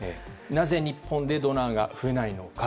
なぜ日本でドナーが増えないのか。